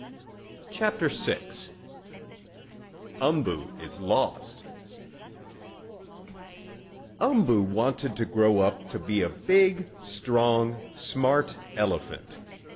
CHAPTER VI UMBOO IS LOST Umboo wanted to grow up to be a big, strong smart elephant.